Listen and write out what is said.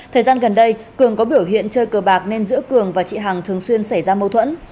thời gian gần đây cường có biểu hiện chơi cờ bạc nên giữa cường và chị hằng thường xuyên xảy ra mâu thuẫn